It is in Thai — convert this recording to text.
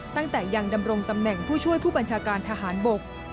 ตั้งแต่ยังดำรงตำแหน่งผู้ช่วยผู้บัญชาการทหารบก